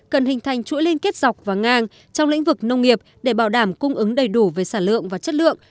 cần hình thành chuỗi liên kết dọc và ngang trong lĩnh vực nông nghiệp để bảo đảm cung ứng đầy đủ về sản lượng và chất lượng